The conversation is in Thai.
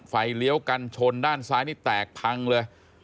เลี้ยวกันชนด้านซ้ายนี่แตกพังเลย